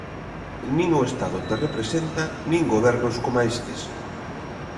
Nin o Estado te representa nin gobernos coma estes.